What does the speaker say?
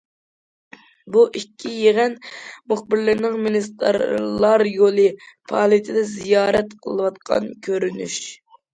بۇ، ئىككى يىغىن مۇخبىرلىرىنىڭ« مىنىستىرلار يولى» پائالىيىتىدە زىيارەت قىلىۋاتقان كۆرۈنۈش.